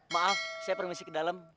maaf saya permisi ke dalam